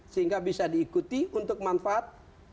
sehingga bisa diikuti untuk manfaat